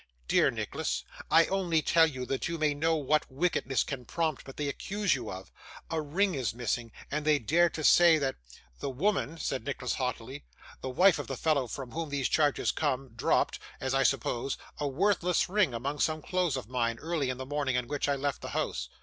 'Dear Nicholas, I only tell you, that you may know what wickedness can prompt, but they accuse you of a ring is missing, and they dare to say that ' 'The woman,' said Nicholas, haughtily, 'the wife of the fellow from whom these charges come, dropped as I suppose a worthless ring among some clothes of mine, early in the morning on which I left the house.